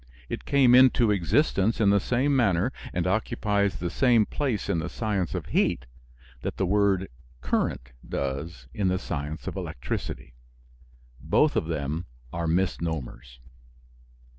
It came into existence in the same manner and occupies the same place in the science of heat that the word "current" does in the science of electricity: both of them are misnomers.